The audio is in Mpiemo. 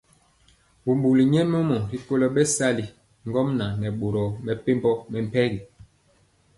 Bubuli nyɛmemɔ rikolo bɛsali ŋgomnaŋ nɛ boro mepempɔ mɛmpegi.